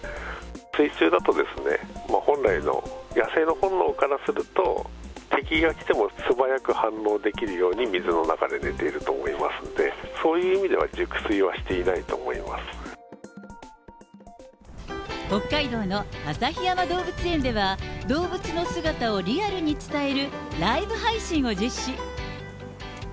水中だと、本来の野性の本能からすると、敵が来ても素早く反応できるように水の中で寝ていると思いますんで、そういう意味では熟睡はしていな北海道の旭山動物園では、動物の姿をリアルに伝えるライブ配信を実施。